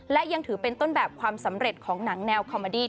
และยังถือเป็นต้นแบบความสำเร็จของหนังแนวคอมมาดี้